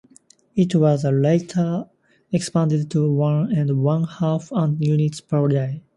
It was later expanded to one and one half units per day.